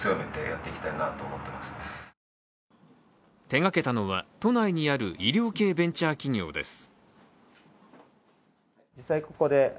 手がけたのは、都内にある医療系ベンチャー企業です。